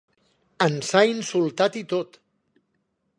Ens ha insultat i tot!